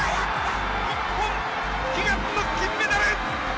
日本、悲願の金メダル。